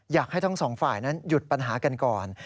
อยากให้ทั้งสองฝ่ายนั้นหยุดปัญหากันก่อน